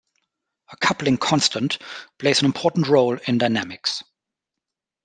A coupling constant plays an important role in dynamics.